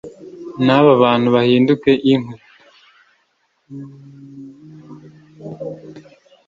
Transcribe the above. n aba bantu bahinduke inkwi